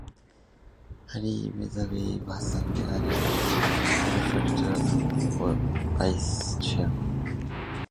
Harry Witherby was an early benefactor and vice-chairman.